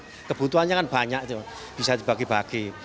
lebih luas lah kebutuhannya kan banyak bisa dibagi bagi